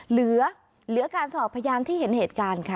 เหลือการสอบพยานที่เห็นเหตุการณ์ค่ะ